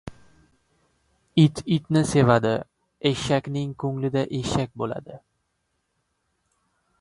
• It itni sevadi, eshakning ko‘nglida eshak bo‘ladi.